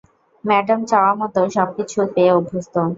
Madam চাওয়ামতো সবকিছু পেয়ে অভ্যস্ত।